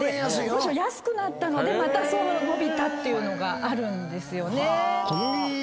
むしろ安くなったのでまた伸びたっていうのがある。